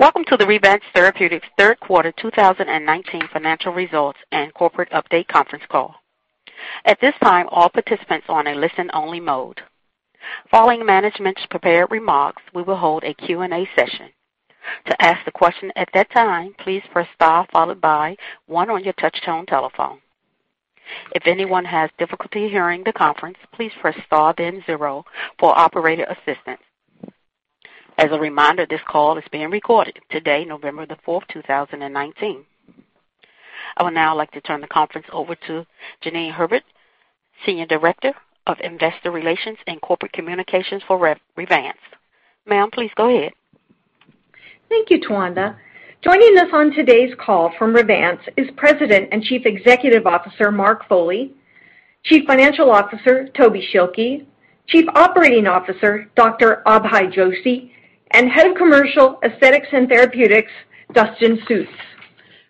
Welcome to the Revance Therapeutics' third quarter 2019 financial results and corporate update conference call. At this time, all participants are on a listen-only mode. Following management's prepared remarks, we will hold a Q&A session. To ask a question at that time, please press star followed by one on your touch-tone telephone. If anyone has difficulty hearing the conference, please press star then zero for operator assistance. As a reminder, this call is being recorded today, November the fourth, 2019. I would now like to turn the conference over to Jeanie Herbert, Senior Director of Investor Relations and Corporate Communications for Revance. Ma'am, please go ahead. Thank you, Tawanda. Joining us on today's call from Revance is President and Chief Executive Officer, Mark Foley, Chief Financial Officer, Toby Schilke, Chief Operating Officer, Dr. Abhay Joshi, and Head of Commercial Aesthetics and Therapeutics, Dustin Schuetz.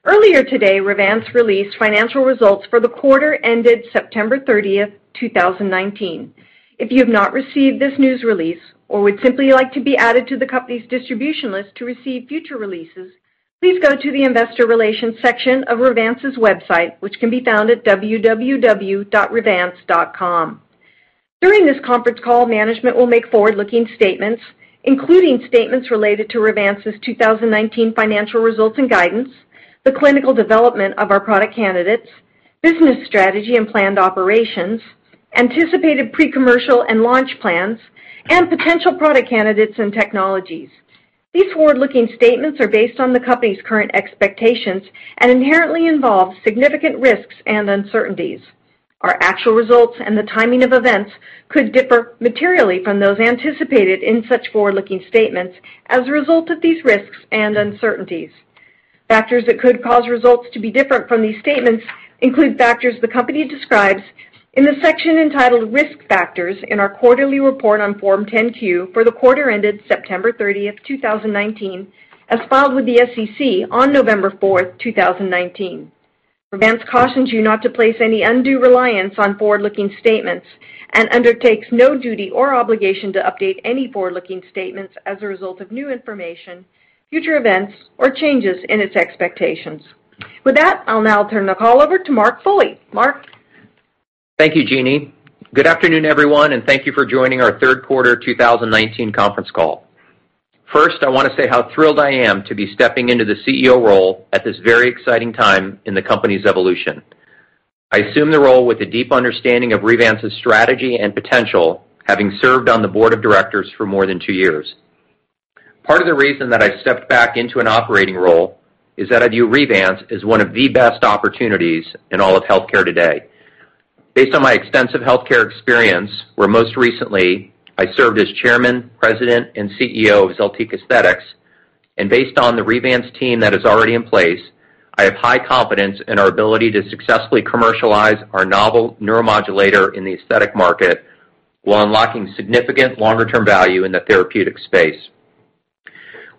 Earlier today, Revance released financial results for the quarter ended September 30, 2019. If you have not received this news release or would simply like to be added to the company's distribution list to receive future releases, please go to the investor relations section of Revance's website, which can be found at www.revance.com. During this conference call, management will make forward-looking statements, including statements related to Revance's 2019 financial results and guidance, the clinical development of our product candidates, business strategy and planned operations, anticipated pre-commercial and launch plans, and potential product candidates and technologies. These forward-looking statements are based on the company's current expectations and inherently involve significant risks and uncertainties. Our actual results and the timing of events could differ materially from those anticipated in such forward-looking statements as a result of these risks and uncertainties. Factors that could cause results to be different from these statements include factors the company describes in the section entitled Risk Factors in our quarterly report on Form 10-Q for the quarter ended September 30, 2019, as filed with the SEC on November 4, 2019. Revance cautions you not to place any undue reliance on forward-looking statements and undertakes no duty or obligation to update any forward-looking statements as a result of new information, future events, or changes in its expectations. With that, I'll now turn the call over to Mark Foley. Mark? Thank you, Jeanie. Good afternoon, everyone, and thank you for joining our third quarter 2019 conference call. First, I want to say how thrilled I am to be stepping into the CEO role at this very exciting time in the company's evolution. I assume the role with a deep understanding of Revance's strategy and potential, having served on the board of directors for more than two years. Part of the reason that I stepped back into an operating role is that I view Revance as one of the best opportunities in all of healthcare today. Based on my extensive healthcare experience, where most recently I served as chairman, president, and CEO of Zeltiq Aesthetics, and based on the Revance team that is already in place, I have high confidence in our ability to successfully commercialize our novel neuromodulator in the aesthetic market while unlocking significant longer-term value in the therapeutic space.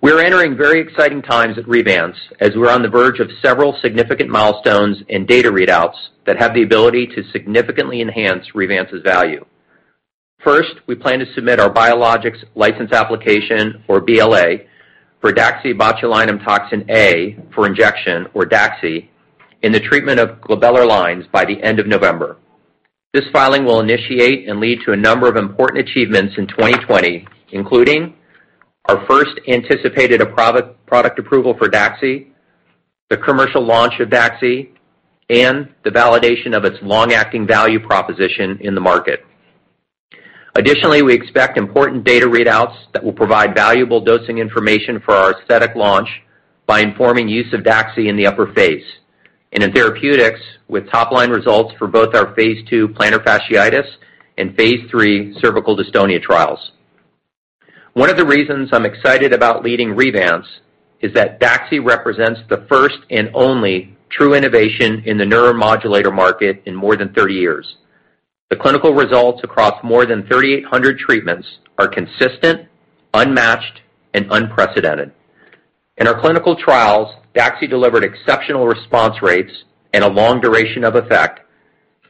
We're entering very exciting times at Revance as we're on the verge of several significant milestones and data readouts that have the ability to significantly enhance Revance's value. First, we plan to submit our Biologics License Application or BLA for daxibotulinumtoxinA for injection or DAXI in the treatment of glabellar lines by the end of November. This filing will initiate and lead to a number of important achievements in 2020, including our first anticipated product approval for DAXI, the commercial launch of DAXI, and the validation of its long-acting value proposition in the market. We expect important data readouts that will provide valuable dosing information for our aesthetic launch by informing use of DAXI in the upper face. In therapeutics with top-line results for both our phase II plantar fasciitis and phase III cervical dystonia trials. One of the reasons I'm excited about leading Revance is that DAXI represents the first and only true innovation in the neuromodulator market in more than 30 years. The clinical results across more than 3,800 treatments are consistent, unmatched, and unprecedented. In our clinical trials, DAXI delivered exceptional response rates and a long duration of effect,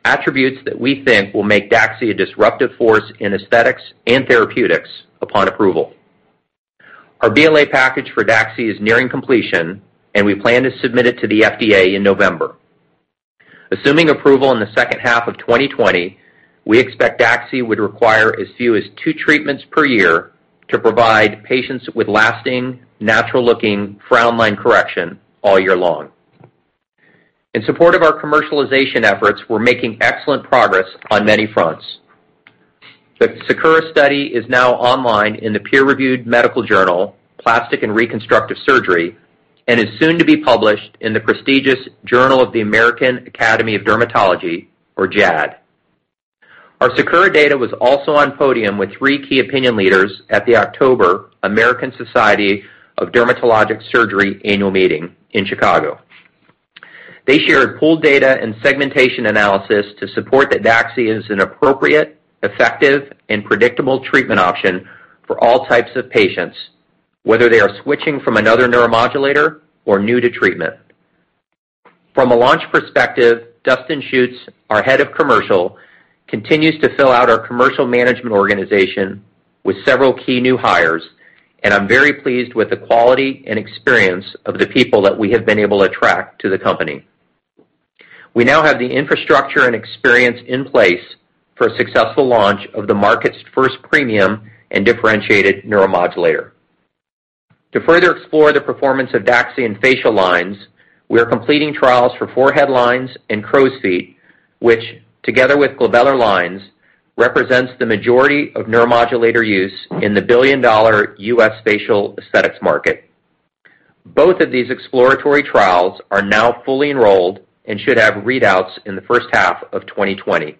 attributes that we think will make DAXI a disruptive force in aesthetics and therapeutics upon approval. Our BLA package for DAXI is nearing completion. We plan to submit it to the FDA in November. Assuming approval in the second half of 2020, we expect DAXI would require as few as two treatments per year to provide patients with lasting, natural-looking frown line correction all year long. In support of our commercialization efforts, we're making excellent progress on many fronts. The SECURE is now online in the peer-reviewed medical journal, "Plastic and Reconstructive Surgery." Is soon to be published in the prestigious "Journal of the American Academy of Dermatology," or JAAD. Our SECURE data was also on podium with three key opinion leaders at the October American Society for Dermatologic Surgery annual meeting in Chicago. They shared pooled data and segmentation analysis to support that DAXI is an appropriate, effective, and predictable treatment option for all types of patients, whether they are switching from another neuromodulator or new to treatment. From a launch perspective, Dustin Sjuts, our Head of Commercial, continues to fill out our commercial management organization with several key new hires, and I'm very pleased with the quality and experience of the people that we have been able to attract to the company. We now have the infrastructure and experience in place for a successful launch of the market's first premium and differentiated neuromodulator. To further explore the performance of DAXI in facial lines, we are completing trials for forehead lines and crow's feet, which together with glabellar lines, represents the majority of neuromodulator use in the billion-dollar U.S. facial aesthetics market. Both of these exploratory trials are now fully enrolled and should have readouts in the first half of 2020.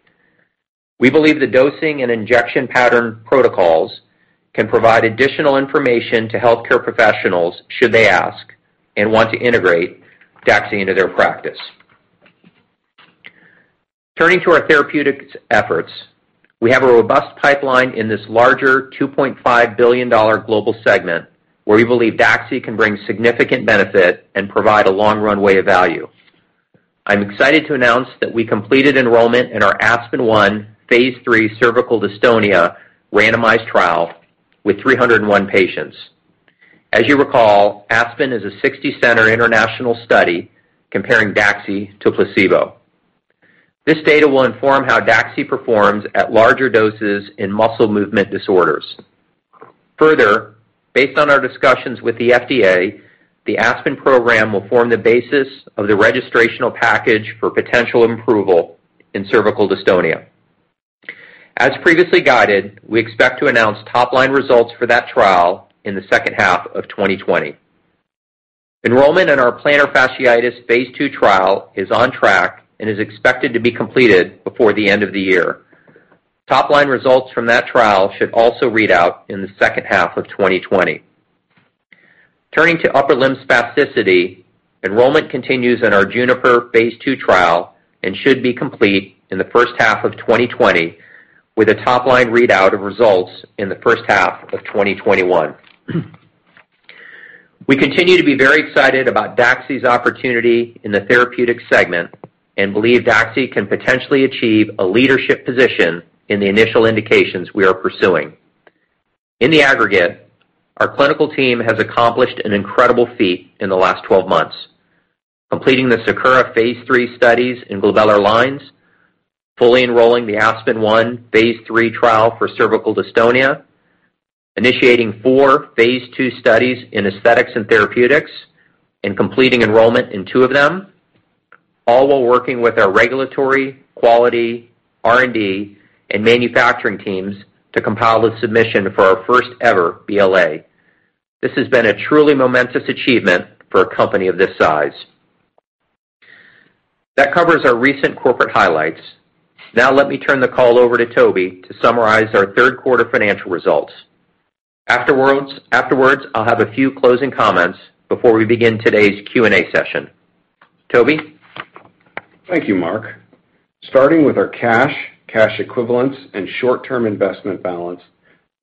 We believe the dosing and injection pattern protocols can provide additional information to healthcare professionals should they ask and want to integrate DAXI into their practice. Turning to our therapeutics efforts, we have a robust pipeline in this larger $2.5 billion global segment where we believe DAXI can bring significant benefit and provide a long runway of value. I'm excited to announce that we completed enrollment in our ASPEN-1 phase III cervical dystonia randomized trial with 301 patients. As you recall, ASPEN is a 60-center international study comparing DAXI to placebo. This data will inform how DAXI performs at larger doses in muscle movement disorders. Based on our discussions with the FDA, the ASPEN program will form the basis of the registrational package for potential approval in cervical dystonia. As previously guided, we expect to announce top-line results for that trial in the second half of 2020. Enrollment in our plantar fasciitis phase II trial is on track and is expected to be completed before the end of the year. Top-line results from that trial should also read out in the second half of 2020. Turning to upper limb spasticity, enrollment continues in our JUNIPER phase II trial and should be complete in the first half of 2020 with a top-line readout of results in the first half of 2021. We continue to be very excited about DAXI's opportunity in the therapeutic segment and believe DAXI can potentially achieve a leadership position in the initial indications we are pursuing. In the aggregate, our clinical team has accomplished an incredible feat in the last 12 months. Completing the SAKURA phase III studies in glabellar lines, fully enrolling the ASPEN-1 phase III trial for cervical dystonia, initiating four phase II studies in aesthetics and therapeutics, and completing enrollment in two of them, all while working with our regulatory, quality, R&D, and manufacturing teams to compile the submission for our first ever BLA. This has been a truly momentous achievement for a company of this size. That covers our recent corporate highlights. Now let me turn the call over to Toby to summarize our third quarter financial results. Afterwards, I'll have a few closing comments before we begin today's Q&A session. Toby? Thank you, Mark. Starting with our cash equivalents, and short-term investment balance,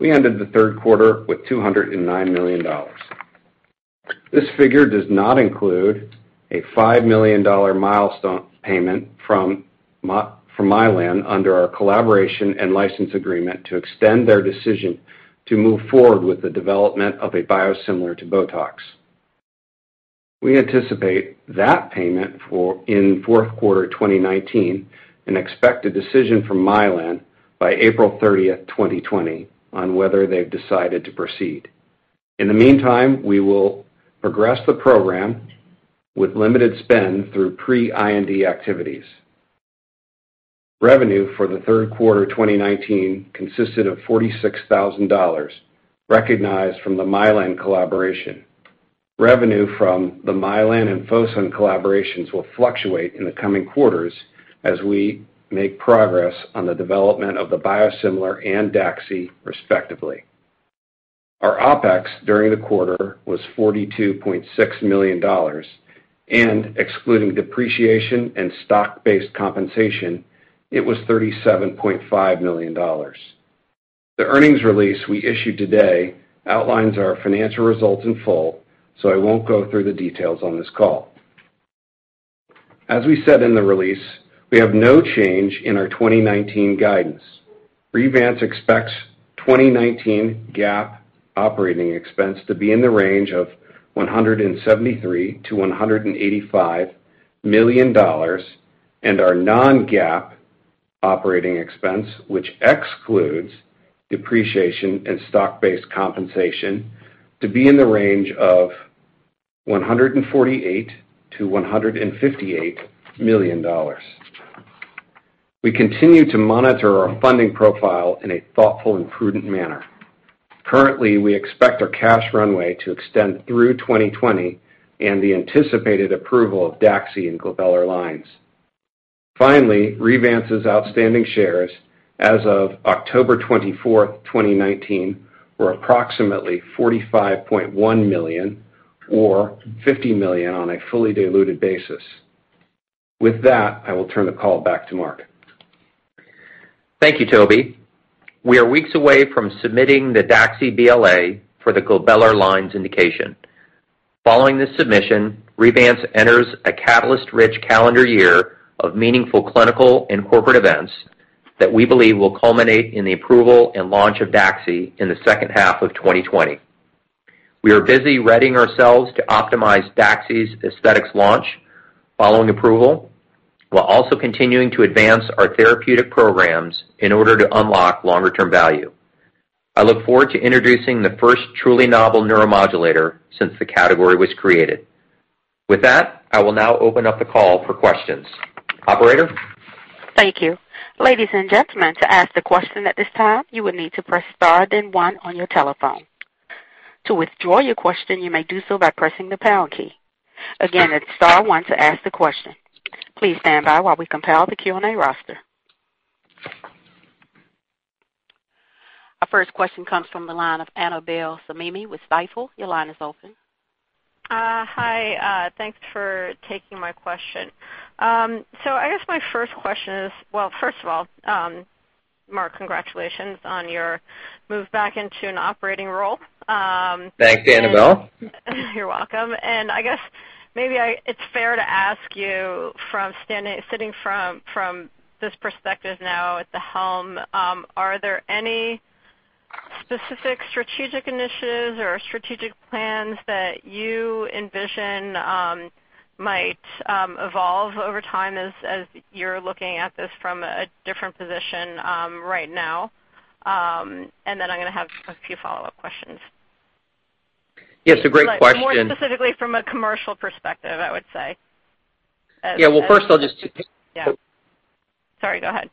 we ended the third quarter with $209 million. This figure does not include a $5 million milestone payment from Mylan under our collaboration and license agreement to extend their decision to move forward with the development of a biosimilar to BOTOX. We anticipate that payment in fourth quarter 2019 and expect a decision from Mylan by April 30, 2020 on whether they've decided to proceed. In the meantime, we will progress the program with limited spend through pre-IND activities. Revenue for the third quarter 2019 consisted of $46,000 recognized from the Mylan collaboration. Revenue from the Mylan and Fosun collaborations will fluctuate in the coming quarters as we make progress on the development of the biosimilar and DAXI respectively. Our OPEX during the quarter was $42.6 million, and excluding depreciation and stock-based compensation, it was $37.5 million. The earnings release we issued today outlines our financial results in full, so I won't go through the details on this call. As we said in the release, we have no change in our 2019 guidance. Revance expects 2019 GAAP operating expense to be in the range of $173 million-$185 million and our non-GAAP operating expense, which excludes depreciation and stock-based compensation, to be in the range of $148 million-$158 million. We continue to monitor our funding profile in a thoughtful and prudent manner. Currently, we expect our cash runway to extend through 2020 and the anticipated approval of DAXI in glabellar lines. Finally, Revance's outstanding shares as of October 24th, 2019, were approximately 45.1 million or 50 million on a fully diluted basis. With that, I will turn the call back to Mark Thank you, Toby. We are weeks away from submitting the DAXI BLA for the glabellar lines indication. Following this submission, Revance enters a catalyst-rich calendar year of meaningful clinical and corporate events that we believe will culminate in the approval and launch of DAXI in the second half of 2020. We are busy readying ourselves to optimize DAXI's aesthetics launch following approval, while also continuing to advance our therapeutic programs in order to unlock longer-term value. I look forward to introducing the first truly novel neuromodulator since the category was created. With that, I will now open up the call for questions. Operator? Thank you. Ladies and gentlemen, to ask a question at this time, you will need to press star then one on your telephone. To withdraw your question, you may do so by pressing the pound key. Again, it's star one to ask the question. Please stand by while we compile the Q&A roster. Our first question comes from the line of Annabel Samimy with Stifel. Your line is open. Hi. Thanks for taking my question. I guess my first question is, first of all, Mark, congratulations on your move back into an operating role. Thanks, Annabel. You're welcome. I guess maybe it's fair to ask you from sitting from this perspective now at the helm, are there any specific strategic initiatives or strategic plans that you envision might evolve over time as you're looking at this from a different position right now? I'm going to have a few follow-up questions. Yes, a great question. More specifically from a commercial perspective, I would say. Yeah. Well, first I'll. Yeah. Sorry, go ahead.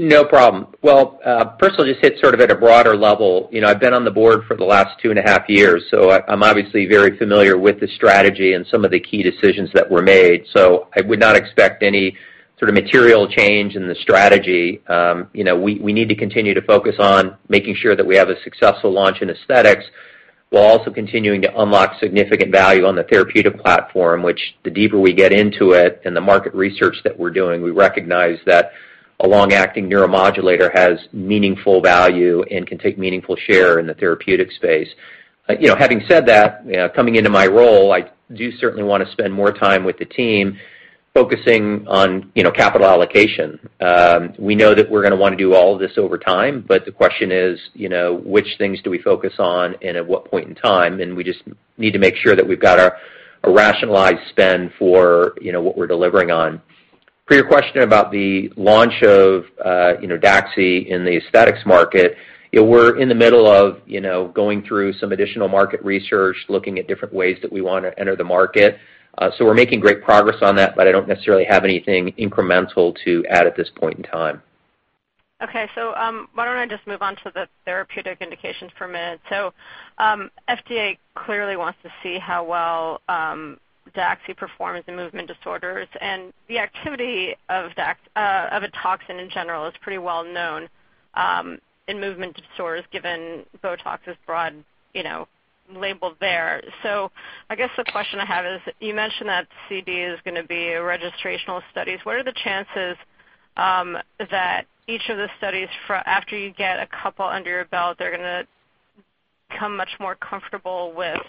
No problem. Well, first I'll just hit sort of at a broader level. I've been on the board for the last two and a half years. I'm obviously very familiar with the strategy and some of the key decisions that were made. I would not expect any sort of material change in the strategy. We need to continue to focus on making sure that we have a successful launch in aesthetics, while also continuing to unlock significant value on the therapeutic platform, which the deeper we get into it and the market research that we're doing, we recognize that a long-acting neuromodulator has meaningful value and can take meaningful share in the therapeutic space. Having said that, coming into my role, I do certainly want to spend more time with the team focusing on capital allocation. We know that we're going to want to do all of this over time, but the question is, which things do we focus on and at what point in time? We just need to make sure that we've got a rationalized spend for what we're delivering on. For your question about the launch of DAXI in the aesthetics market, we're in the middle of going through some additional market research, looking at different ways that we want to enter the market. We're making great progress on that, but I don't necessarily have anything incremental to add at this point in time. Okay. Why don't I just move on to the therapeutic indications for a minute. FDA clearly wants to see how well DAXI performs in movement disorders, and the activity of a toxin in general is pretty well known in movement disorders, given BOTOX is broad labeled there. I guess the question I have is, you mentioned that CD is going to be registrational studies. What are the chances that each of the studies after you get a couple under your belt, they're going to become much more comfortable with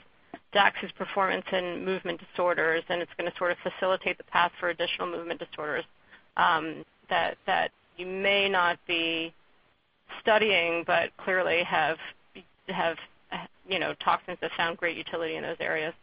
DAXI's performance in movement disorders and it's going to sort of facilitate the path for additional movement disorders that you may not be studying, but clearly have toxins that found great utility in those areas?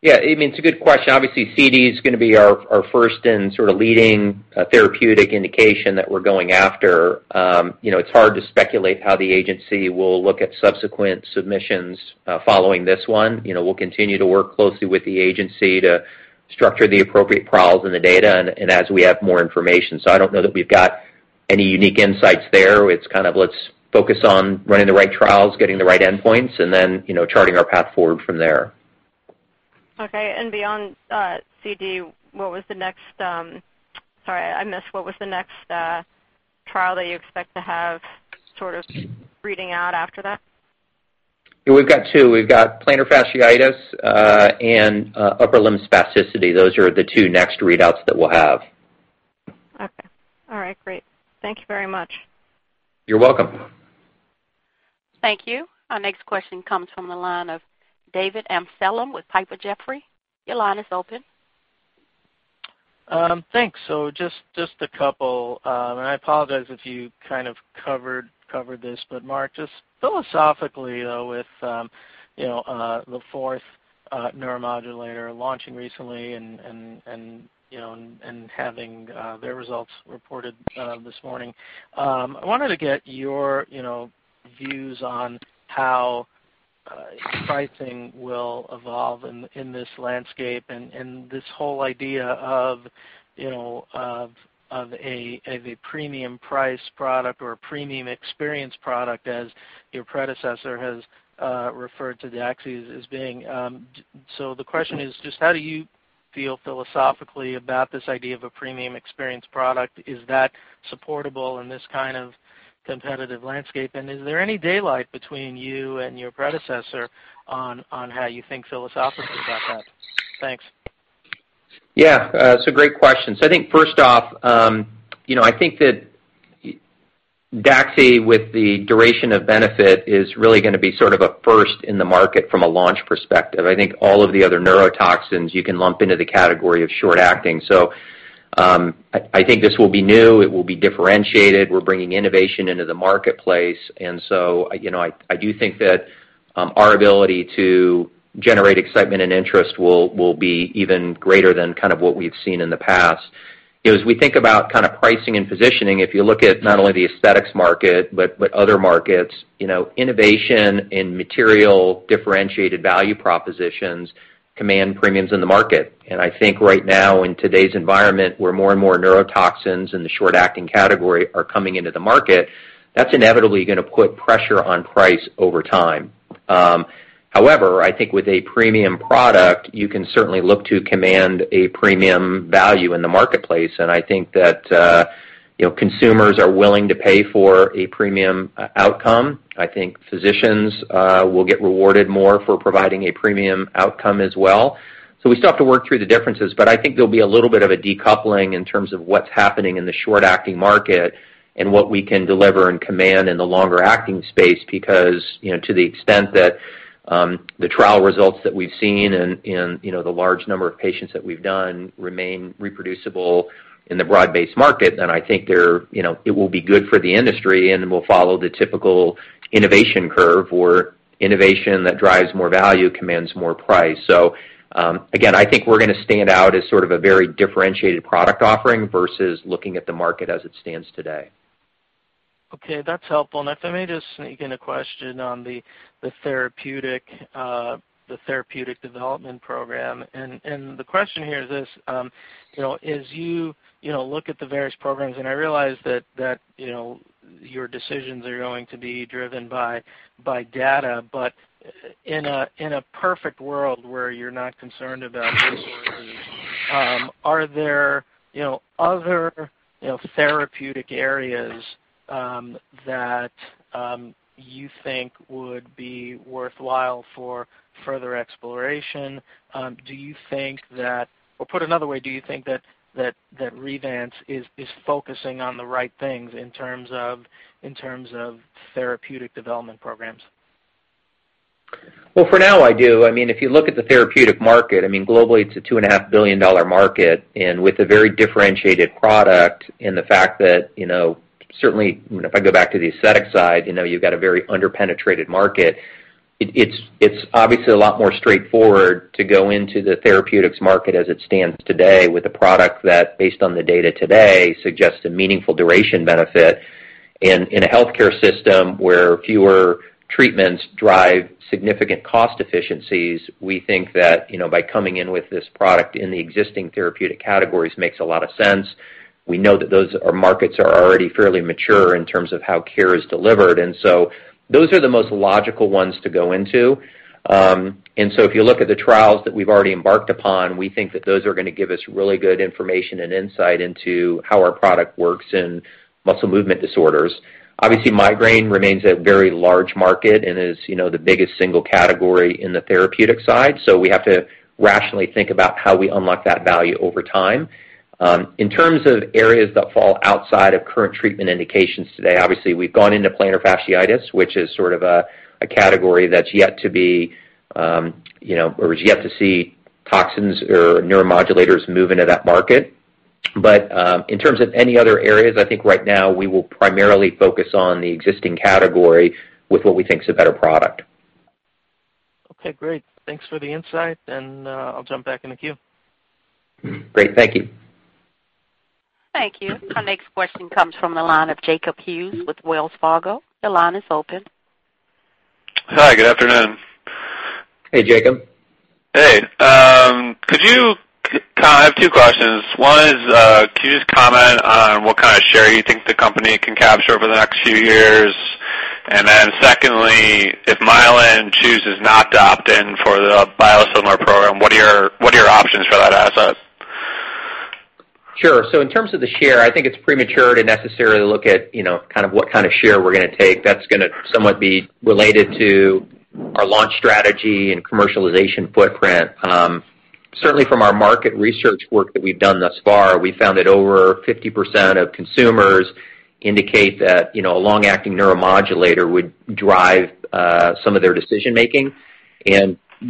Yeah. It's a good question. Obviously, CD's going to be our first and sort of leading therapeutic indication that we're going after. It's hard to speculate how the agency will look at subsequent submissions following this one. We'll continue to work closely with the agency to structure the appropriate trials and the data and as we have more information. I don't know that we've got any unique insights there. It's kind of let's focus on running the right trials, getting the right endpoints, and then charting our path forward from there. Okay. Beyond CD, sorry, I missed what was the next trial that you expect to have sort of reading out after that? We've got two. We've got plantar fasciitis and upper limb spasticity. Those are the two next readouts that we'll have. Okay. All right, great. Thank you very much. You're welcome. Thank you. Our next question comes from the line of David Amsellem with Piper Jaffray. Your line is open. Thanks. Just a couple, and I apologize if you kind of covered this, but Mark, just philosophically though with the fourth neuromodulator launching recently and having their results reported this morning. I wanted to get your views on how pricing will evolve in this landscape and this whole idea of a premium price product or a premium experience product as your predecessor has referred to DAXI as being. The question is just how do you feel philosophically about this idea of a premium experience product? Is that supportable in this kind of competitive landscape? Is there any daylight between you and your predecessor on how you think philosophically about that? Thanks. Yeah. It's a great question. I think first off, I think that DAXI, with the duration of benefit, is really going to be sort of a first in the market from a launch perspective. I think all of the other neuromodulators you can lump into the category of short acting. I think this will be new. It will be differentiated. We're bringing innovation into the marketplace, I do think that our ability to generate excitement and interest will be even greater than kind of what we've seen in the past. As we think about kind of pricing and positioning, if you look at not only the aesthetics market but other markets, innovation in material differentiated value propositions command premiums in the market. I think right now in today's environment, where more and more neurotoxins in the short acting category are coming into the market, that's inevitably going to put pressure on price over time. However, I think with a premium product, you can certainly look to command a premium value in the marketplace, and I think that consumers are willing to pay for a premium outcome. I think physicians will get rewarded more for providing a premium outcome as well. We still have to work through the differences, but I think there'll be a little bit of a decoupling in terms of what's happening in the short-acting market and what we can deliver and command in the longer-acting space because to the extent that the trial results that we've seen and the large number of patients that we've done remain reproducible in the broad-based market, then I think it will be good for the industry and will follow the typical innovation curve where innovation that drives more value commands more price. Again, I think we're going to stand out as sort of a very differentiated product offering versus looking at the market as it stands today. Okay. That's helpful. If I may just sneak in a question on the therapeutic development program. The question here is this. As you look at the various programs, I realize that your decisions are going to be driven by data, but in a perfect world where you're not concerned about resources, are there other therapeutic areas that you think would be worthwhile for further exploration? Do you think that, or put another way, do you think that Revance is focusing on the right things in terms of therapeutic development programs? Well, for now, I do. If you look at the therapeutic market, globally it's a two and a half billion dollar market. With a very differentiated product and the fact that certainly, if I go back to the aesthetic side, you've got a very under-penetrated market. It's obviously a lot more straightforward to go into the therapeutics market as it stands today with a product that, based on the data today, suggests a meaningful duration benefit. In a healthcare system where fewer treatments drive significant cost efficiencies, we think that by coming in with this product in the existing therapeutic categories makes a lot of sense. We know that those markets are already fairly mature in terms of how care is delivered. Those are the most logical ones to go into. If you look at the trials that we've already embarked upon, we think that those are going to give us really good information and insight into how our product works in muscle movement disorders. Obviously, migraine remains a very large market and is the biggest single category in the therapeutic side. We have to rationally think about how we unlock that value over time. In terms of areas that fall outside of current treatment indications today, obviously, we've gone into plantar fasciitis, which is sort of a category that's yet to be, or is yet to see toxins or neuromodulators move into that market. In terms of any other areas, I think right now we will primarily focus on the existing category with what we think is a better product. Okay, great. Thanks for the insight, and I'll jump back in the queue. Great. Thank you. Thank you. Our next question comes from the line of Jacob Hughes with Wells Fargo. Your line is open. Hi, good afternoon. Hey, Jacob. Hey. I have two questions. One is, can you just comment on what kind of share you think the company can capture over the next few years? Secondly, if Mylan chooses not to opt in for the biosimilar program, what are your options for that asset? Sure. In terms of the share, I think it's premature to necessarily look at what kind of share we're going to take. That's going to somewhat be related to our launch strategy and commercialization footprint. Certainly from our market research work that we've done thus far, we found that over 50% of consumers indicate that a long-acting neuromodulator would drive some of their decision making.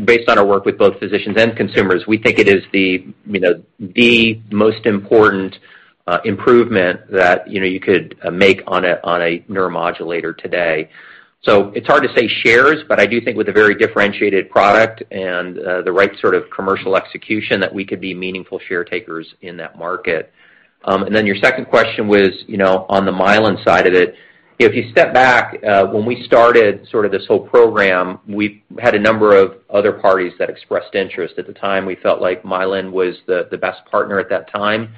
Based on our work with both physicians and consumers, we think it is the most important improvement that you could make on a neuromodulator today. It's hard to say shares, but I do think with a very differentiated product and the right sort of commercial execution, that we could be meaningful share takers in that market. Then your second question was on the Mylan side of it. If you step back, when we started sort of this whole program, we had a number of other parties that expressed interest. At the time, we felt like Mylan was the best partner at that time.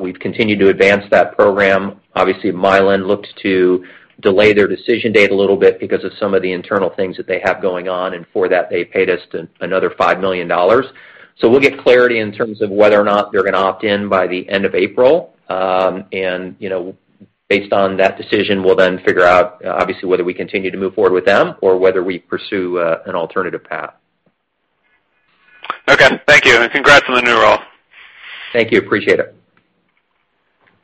We've continued to advance that program. Obviously, Mylan looked to delay their decision date a little bit because of some of the internal things that they have going on, and for that, they paid us another $5 million. We'll get clarity in terms of whether or not they're going to opt in by the end of April. Based on that decision, we'll then figure out, obviously, whether we continue to move forward with them or whether we pursue an alternative path. Okay, thank you, and congrats on the new role. Thank you. Appreciate it.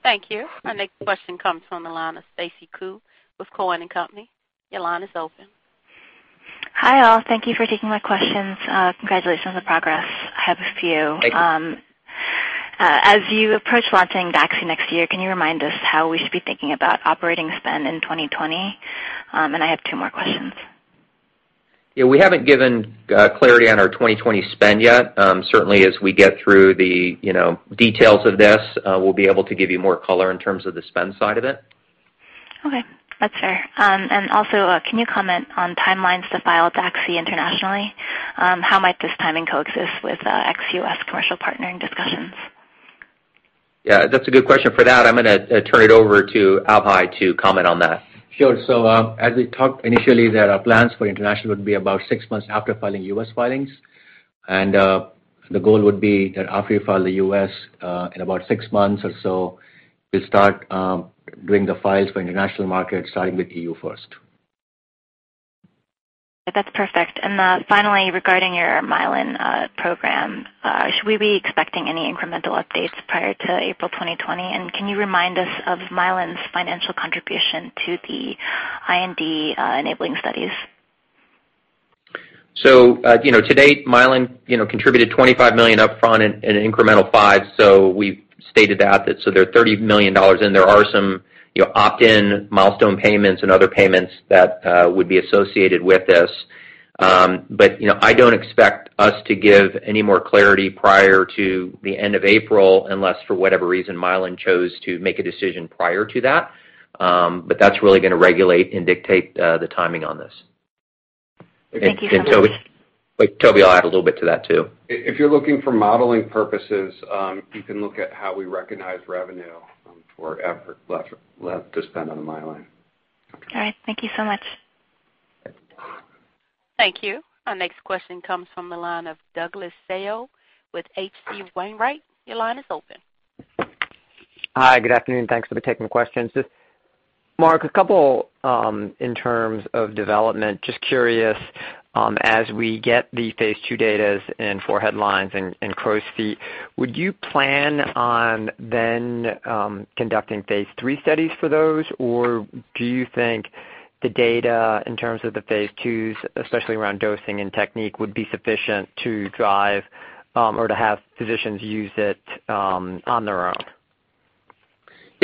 Thank you. Our next question comes from the line of Stacy Ku with Cowen and Company. Your line is open. Hi, all. Thank you for taking my questions. Congratulations on the progress. I have a few. Thank you. As you approach launching DAXI next year, can you remind us how we should be thinking about operating spend in 2020? I have two more questions. Yeah, we haven't given clarity on our 2020 spend yet. Certainly, as we get through the details of this, we'll be able to give you more color in terms of the spend side of it. Okay, that's fair. Also, can you comment on timelines to file DAXI internationally? How might this timing coexist with ex-U.S. commercial partnering discussions? Yeah, that's a good question. For that, I'm going to turn it over to Abhay to comment on that. Sure. As we talked initially, there are plans for international would be about six months after filing U.S. filings. The goal would be that after you file the U.S., in about six months or so, we'll start doing the files for international markets, starting with EU first. That's perfect. Finally, regarding your Mylan program, should we be expecting any incremental updates prior to April 2020? Can you remind us of Mylan's financial contribution to the IND enabling studies? To date, Mylan contributed $25 million upfront and an incremental $5. We've stated that, they're $30 million, and there are some opt-in milestone payments and other payments that would be associated with this. I don't expect us to give any more clarity prior to the end of April, unless, for whatever reason, Mylan chose to make a decision prior to that. That's really going to regulate and dictate the timing on this. Thank you so much. Wait, Toby, I'll add a little bit to that, too. If you're looking for modeling purposes, you can look at how we recognize revenue for effort left to spend on Mylan. All right. Thank you so much. Thank you. Our next question comes from the line of Douglas Tsao with H.C. Wainwright. Your line is open. Hi. Good afternoon. Thanks for taking the questions. Mark, a couple in terms of development, just curious, as we get the phase II datas and for forehead lines and crow's feet, would you plan on then conducting phase III studies for those? Do you think the data in terms of the phase IIs, especially around dosing and technique, would be sufficient to drive or to have physicians use it on their own?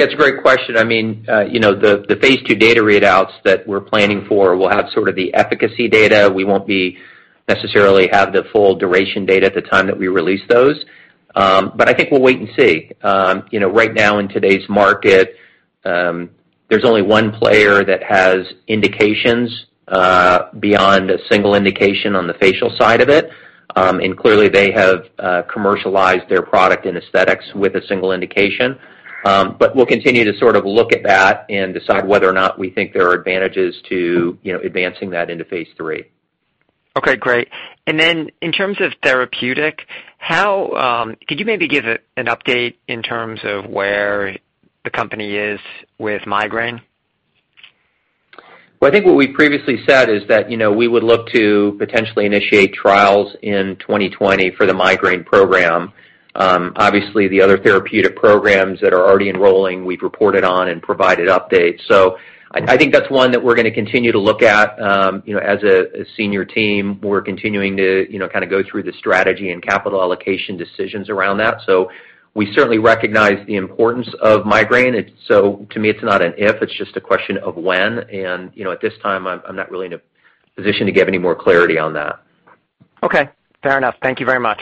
Yeah, it's a great question. The phase II data readouts that we're planning for will have sort of the efficacy data. We won't necessarily have the full duration data at the time that we release those. I think we'll wait and see. Right now in today's market, there's only one player that has indications beyond a single indication on the facial side of it. Clearly, they have commercialized their product in aesthetics with a single indication. We'll continue to sort of look at that and decide whether or not we think there are advantages to advancing that into phase III. Okay, great. In terms of therapeutic, could you maybe give an update in terms of where the company is with migraine? Well, I think what we previously said is that we would look to potentially initiate trials in 2020 for the migraine program. Obviously, the other therapeutic programs that are already enrolling, we've reported on and provided updates. I think that's one that we're going to continue to look at. As a senior team, we're continuing to kind of go through the strategy and capital allocation decisions around that. We certainly recognize the importance of migraine. To me, it's not an if, it's just a question of when, and at this time, I'm not really in a position to give any more clarity on that. Okay, fair enough. Thank you very much.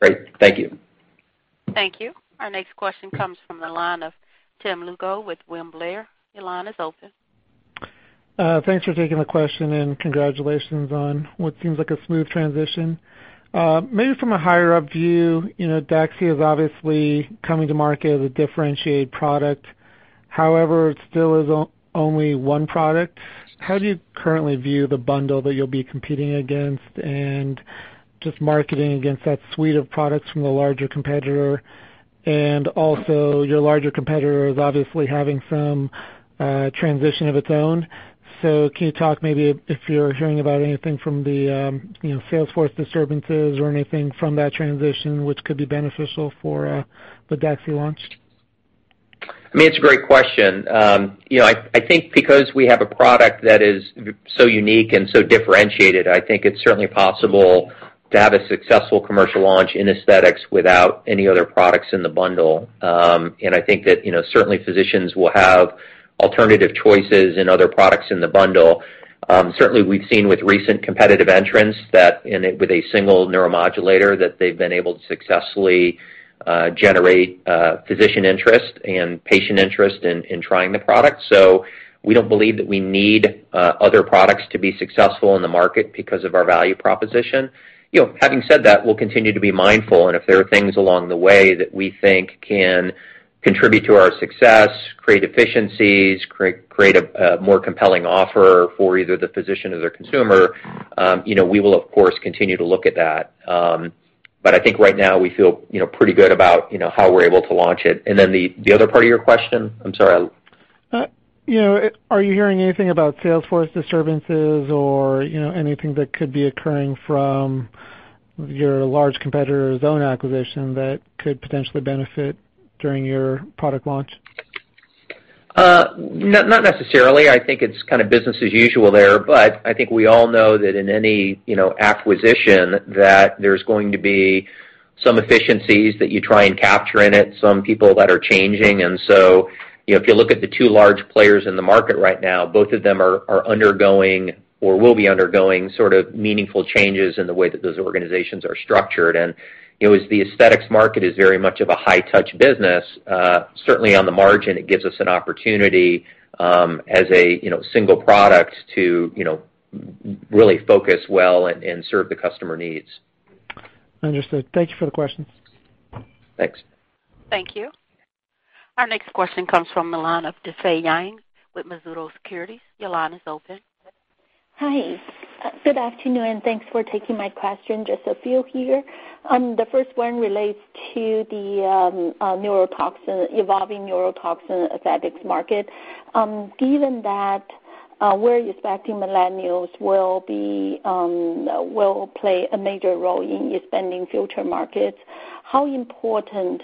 Great. Thank you. Thank you. Our next question comes from the line of Tim Lugo with William Blair. Your line is open. Thanks for taking the question, and congratulations on what seems like a smooth transition. Maybe from a higher-up view, DAXI is obviously coming to market as a differentiated product. However, it still is only one product. How do you currently view the bundle that you'll be competing against and just marketing against that suite of products from the larger competitor? Also, your larger competitor is obviously having some transition of its own. Can you talk maybe if you're hearing about anything from the sales force disturbances or anything from that transition which could be beneficial for the DAXI launch? It's a great question. I think because we have a product that is so unique and so differentiated, I think it's certainly possible to have a successful commercial launch in aesthetics without any other products in the bundle. I think that certainly physicians will have alternative choices in other products in the bundle. Certainly, we've seen with recent competitive entrants that with a single neuromodulator, that they've been able to successfully generate physician interest and patient interest in trying the product. We don't believe that we need other products to be successful in the market because of our value proposition. Having said that, we'll continue to be mindful, and if there are things along the way that we think can contribute to our success, create efficiencies, create a more compelling offer for either the physician or their consumer, we will of course continue to look at that. I think right now we feel pretty good about how we're able to launch it. Then the other part of your question? I'm sorry. Are you hearing anything about sales force disturbances or anything that could be occurring from your large competitor's own acquisition that could potentially benefit during your product launch? Not necessarily. I think it's kind of business as usual there, I think we all know that in any acquisition, that there's going to be some efficiencies that you try and capture in it, some people that are changing. If you look at the two large players in the market right now, both of them are undergoing, or will be undergoing, sort of meaningful changes in the way that those organizations are structured. As the aesthetics market is very much of a high touch business, certainly on the margin, it gives us an opportunity, as a single product, to really focus well and serve the customer needs. Understood. Thank you for the question. Thanks. Thank you. Our next question comes from the line of Difei Yang with Mizuho Securities. Your line is open. Hi. Good afternoon. Thanks for taking my question. Just a few here. The first one relates to the evolving neurotoxin aesthetics market. Given that we're expecting millennials will play a major role in expanding future markets, how important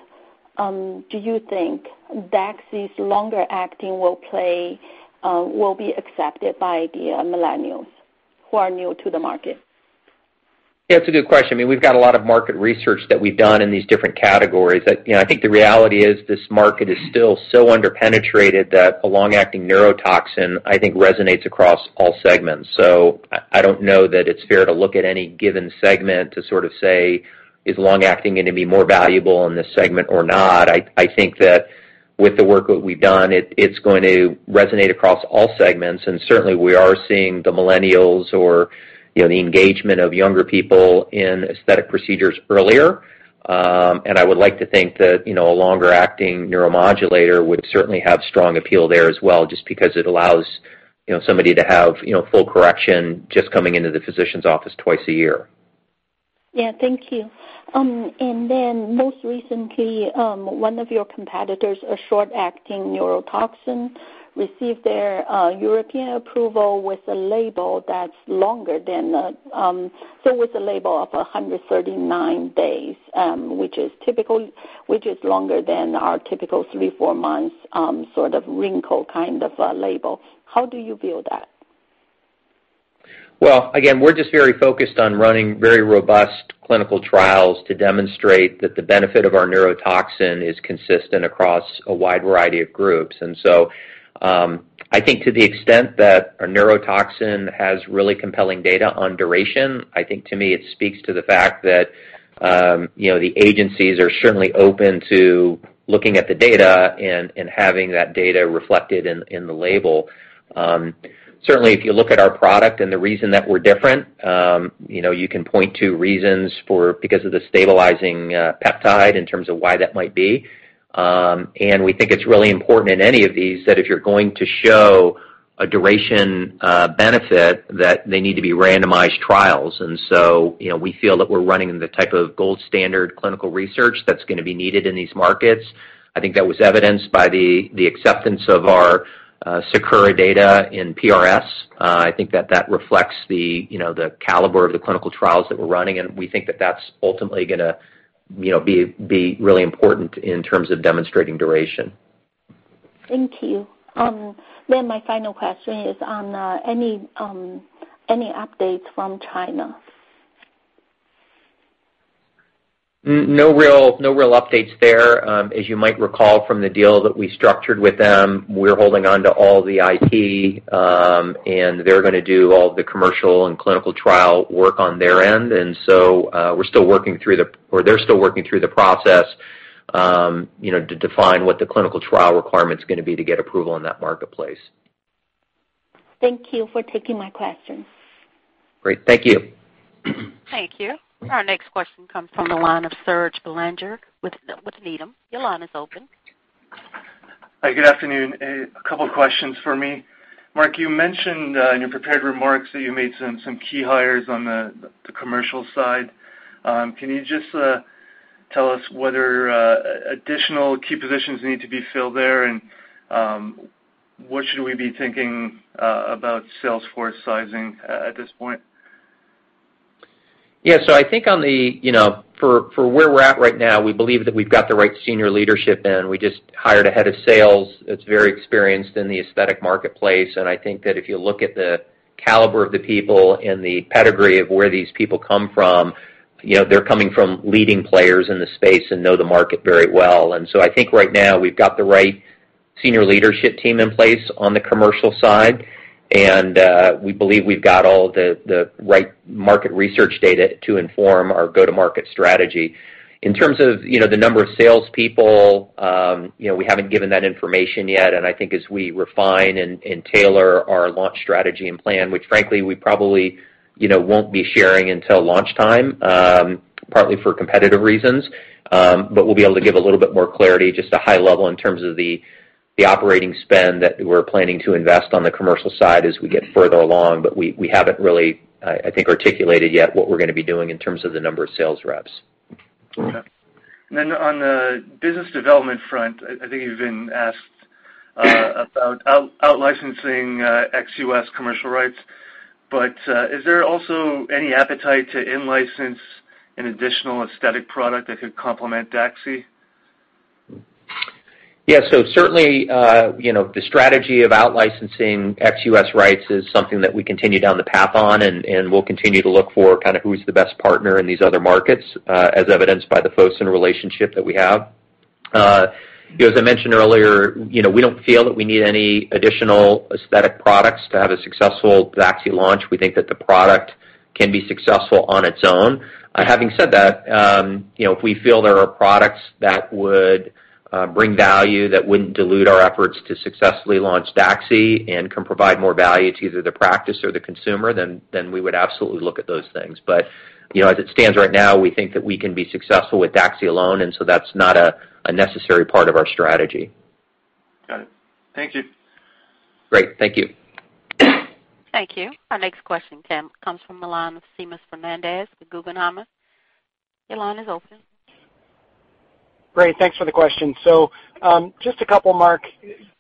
do you think DAXI's longer acting will be accepted by the millennials who are new to the market? Yeah, it's a good question. I mean, we've got a lot of market research that we've done in these different categories that I think the reality is this market is still so under-penetrated that a long-acting neurotoxin, I think, resonates across all segments. I don't know that it's fair to look at any given segment to sort of say, "Is long acting going to be more valuable in this segment or not?" I think that with the work that we've done, it's going to resonate across all segments, and certainly we are seeing the millennials or the engagement of younger people in aesthetic procedures earlier. I would like to think that a longer-acting neuromodulator would certainly have strong appeal there as well, just because it allows somebody to have full correction just coming into the physician's office twice a year. Yeah. Thank you. Most recently, one of your competitors, a short-acting neuromodulator, received their European approval with a label of 139 days, which is longer than our typical three, four months, sort of wrinkle kind of label. How do you view that? Well, again, we're just very focused on running very robust clinical trials to demonstrate that the benefit of our neuromodulator is consistent across a wide variety of groups. I think to the extent that our neuromodulator has really compelling data on duration, I think to me, it speaks to the fact that the agencies are certainly open to looking at the data and having that data reflected in the label. Certainly, if you look at our product and the reason that we're different, you can point to reasons for, because of the stabilizing peptide, in terms of why that might be. We think it's really important in any of these that if you're going to show a duration benefit, that they need to be randomized trials. We feel that we're running the type of gold standard clinical research that's going to be needed in these markets. I think that was evidenced by the acceptance of our SAKURA data in PRS. I think that reflects the caliber of the clinical trials that we're running, and we think that's ultimately going to be really important in terms of demonstrating duration. Thank you. My final question is on any updates from China. No real updates there. As you might recall from the deal that we structured with them, we're holding onto all the IT, and they're going to do all the commercial and clinical trial work on their end. They're still working through the process to define what the clinical trial requirement's going to be to get approval in that marketplace. Thank you for taking my questions. Great. Thank you. Thank you. Our next question comes from the line of Serge Belanger with Needham. Your line is open. Hi, good afternoon. A couple questions for me. Mark, you mentioned in your prepared remarks that you made some key hires on the commercial side. Can you just tell us whether additional key positions need to be filled there, and what should we be thinking about sales force sizing at this point? I think for where we're at right now, we believe that we've got the right senior leadership in. We just hired a head of sales that's very experienced in the aesthetic marketplace, and I think that if you look at the caliber of the people and the pedigree of where these people come from, they're coming from leading players in the space and know the market very well. I think right now we've got the right senior leadership team in place on the commercial side. We believe we've got all the right market research data to inform our go-to-market strategy. In terms of the number of salespeople, we haven't given that information yet, and I think as we refine and tailor our launch strategy and plan, which frankly we probably won't be sharing until launch time, partly for competitive reasons. We'll be able to give a little bit more clarity, just a high level in terms of the operating spend that we're planning to invest on the commercial side as we get further along, but we haven't really, I think, articulated yet what we're going to be doing in terms of the number of sales reps. Okay. On the business development front, I think you've been asked about out-licensing ex-U.S. commercial rights. Is there also any appetite to in-license an additional aesthetic product that could complement DAXI? Yeah. Certainly, the strategy of out-licensing ex-U.S. rights is something that we continue down the path on, and we'll continue to look for who's the best partner in these other markets, as evidenced by the Fosun relationship that we have. As I mentioned earlier, we don't feel that we need any additional aesthetic products to have a successful DAXI launch. We think that the product can be successful on its own. Having said that, if we feel there are products that would bring value, that wouldn't dilute our efforts to successfully launch DAXI and can provide more value to either the practice or the consumer, then we would absolutely look at those things. As it stands right now, we think that we can be successful with DAXI alone, and so that's not a necessary part of our strategy. Got it. Thank you. Great. Thank you. Thank you. Our next question, Tim, comes from the line of Seamus Fernandez with Guggenheim. Your line is open. Great. Thanks for the question. Just a couple, Mark.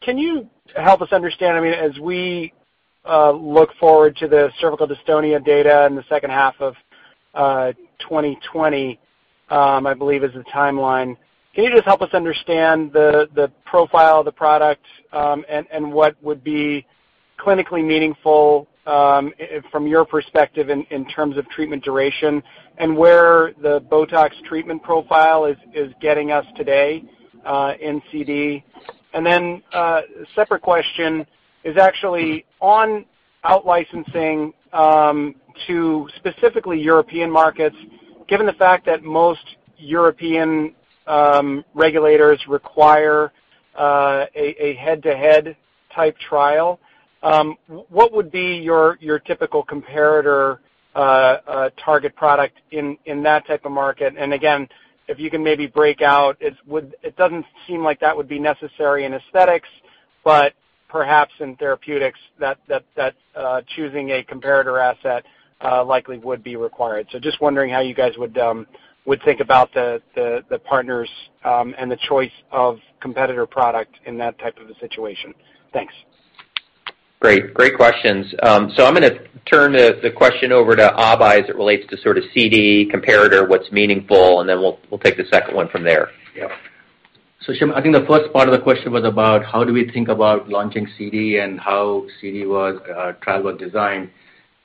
Can you help us understand, as we look forward to the cervical dystonia data in the second half of 2020, I believe is the timeline. Can you just help us understand the profile of the product, and what would be clinically meaningful, from your perspective, in terms of treatment duration? Where the BOTOX treatment profile is getting us today in CD? Separate question is actually on out-licensing to specifically European markets. Given the fact that most European regulators require a head-to-head type trial, what would be your typical comparator target product in that type of market? If you can maybe break out, it doesn't seem like that would be necessary in aesthetics, but perhaps in therapeutics, that choosing a comparator asset likely would be required. Just wondering how you guys would think about the partners and the choice of competitor product in that type of a situation. Thanks. Great. Great questions. I'm going to turn the question over to Abhay as it relates to sort of CD comparator, what's meaningful, and then we'll take the second one from there. Yeah. Seamus, I think the first part of the question was about how do we think about launching CD and how CD trial was designed.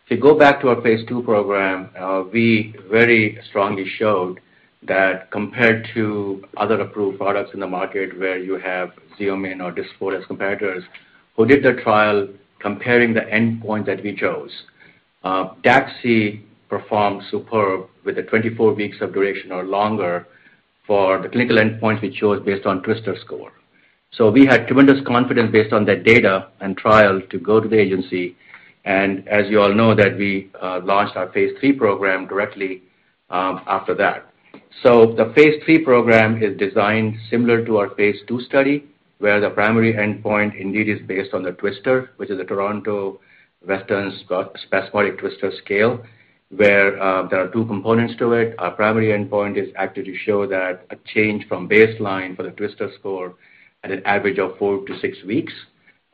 If you go back to our phase II program, we very strongly showed that compared to other approved products in the market where you have Xeomin or Dysport as competitors, who did the trial comparing the endpoint that we chose. DAXI performed superb with the 24 weeks of duration or longer for the clinical endpoint we chose based on TWSTRS score. We had tremendous confidence based on that data and trial to go to the agency, and as you all know, that we launched our phase III program directly after that. The phase III program is designed similar to our phase II study, where the primary endpoint indeed is based on the TWSTRS, which is a Toronto Western Spasmodic Torticollis Rating Scale, where there are two components to it. Our primary endpoint is actually to show that a change from baseline for the TWSTRS score at an average of four to six weeks,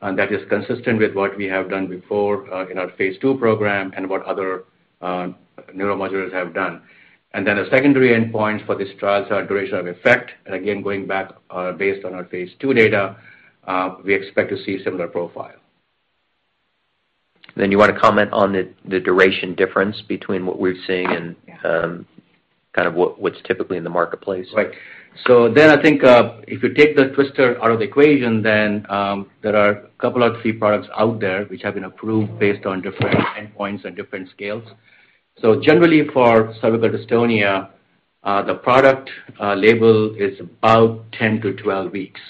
and that is consistent with what we have done before in our phase II program and what other neuromodulators have done. The secondary endpoint for this trial is our duration of effect. Again, going back based on our phase II data, we expect to see a similar profile. You want to comment on the duration difference between what we're seeing and kind of what's typically in the marketplace? Right. I think if you take the TWSTRS out of the equation, then there are a couple of three products out there which have been approved based on different endpoints and different scales. Generally for cervical dystonia, the product label is about 10-12 weeks.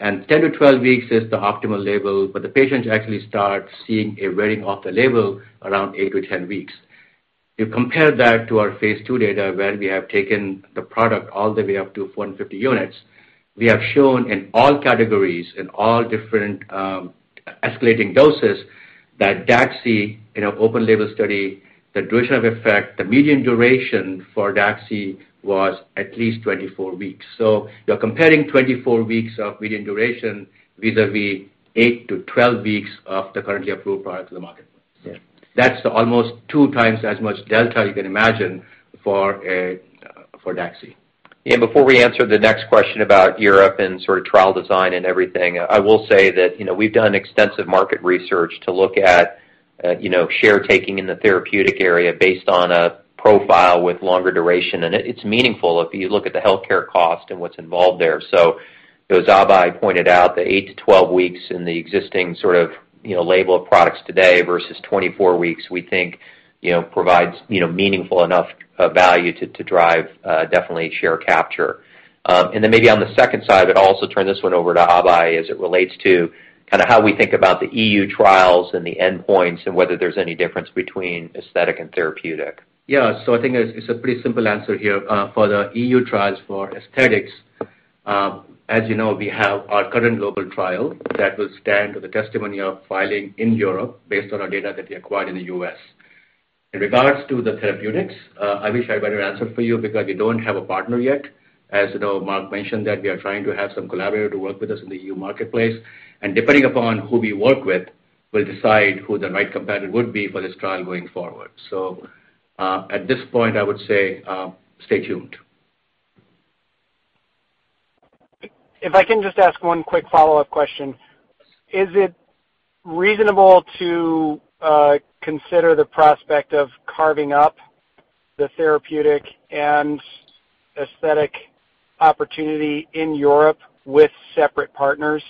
10-12 weeks is the optimal label, but the patients actually start seeing a wearing off the label around 8-10 weeks. If you compare that to our Phase II data where we have taken the product all the way up to 450 units, we have shown in all categories, in all different escalating doses, that DAXI in an open label study, the duration of effect, the median duration for DAXI was at least 24 weeks. You're comparing 24 weeks of median duration vis-a-vis 8-12 weeks of the currently approved products in the market. Yeah. That's almost two times as much delta you can imagine for DAXI. Before we answer the next question about Europe and sort of trial design and everything, I will say that we've done extensive market research to look at share taking in the therapeutic area based on a profile with longer duration. It's meaningful if you look at the healthcare cost and what's involved there. As Abhay pointed out, the 8 to 12 weeks in the existing sort of label of products today versus 24 weeks, we think provides meaningful enough value to drive definitely share capture. Then maybe on the second side, I'd also turn this one over to Abhay as it relates to kind of how we think about the EU trials and the endpoints and whether there's any difference between aesthetic and therapeutic. Yeah. I think it's a pretty simple answer here. For the EU trials for aesthetics, as you know, we have our current global trial that will stand to the testimony of filing in Europe based on our data that we acquired in the U.S. In regards to the therapeutics, I wish I had a better answer for you because we don't have a partner yet. As you know, Mark mentioned that we are trying to have some collaborator to work with us in the EU marketplace, and depending upon who we work with, we'll decide who the right competitor would be for this trial going forward. At this point, I would say, stay tuned. If I can just ask one quick follow-up question. Is it reasonable to consider the prospect of carving up the therapeutic and aesthetic opportunity in Europe with separate partners?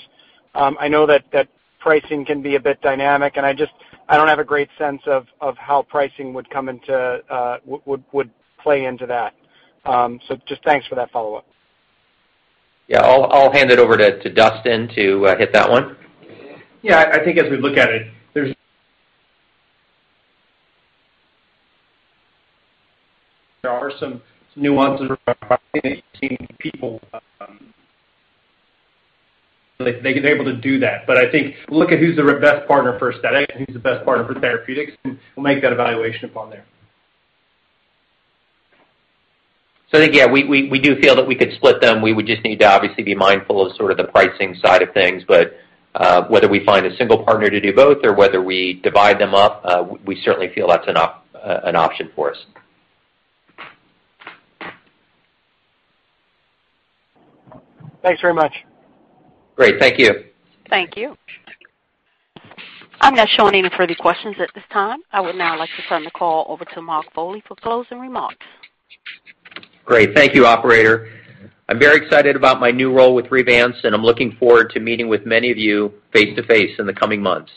I know that pricing can be a bit dynamic, and I don't have a great sense of how pricing would play into that. Just thanks for that follow-up. Yeah. I'll hand it over to Dustin to hit that one. Yeah. I think as we look at it, there are some nuances between people, like, they're able to do that. I think look at who's the best partner for aesthetic and who's the best partner for therapeutics, and we'll make that evaluation upon there. I think, yeah, we do feel that we could split them. We would just need to obviously be mindful of sort of the pricing side of things. Whether we find a single partner to do both or whether we divide them up, we certainly feel that's an option for us. Thanks very much. Great. Thank you. Thank you. I'm not showing any further questions at this time. I would now like to turn the call over to Mark Foley for closing remarks. Great. Thank you, operator. I'm very excited about my new role with Revance, and I'm looking forward to meeting with many of you face-to-face in the coming months.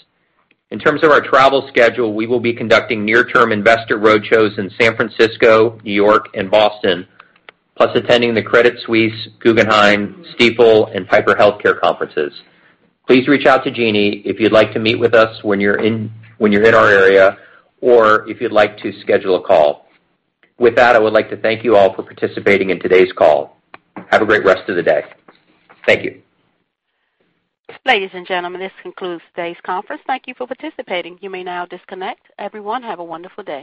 In terms of our travel schedule, we will be conducting near-term investor roadshows in San Francisco, New York, and Boston, plus attending the Credit Suisse, Guggenheim, Stifel and Piper Healthcare conferences. Please reach out to Jeanie if you'd like to meet with us when you're in our area or if you'd like to schedule a call. With that, I would like to thank you all for participating in today's call. Have a great rest of the day. Thank you. Ladies and gentlemen, this concludes today's conference. Thank you for participating. You may now disconnect. Everyone, have a wonderful day.